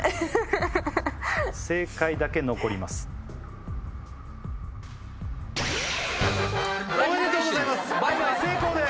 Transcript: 正解だけ残りますおめでとうございます倍買成功です